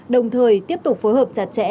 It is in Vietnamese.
đồng thời tiếp tục phối hợp chặt chẽ